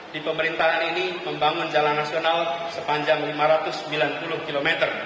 di pemerintahan ini membangun jalan nasional sepanjang lima ratus sembilan puluh km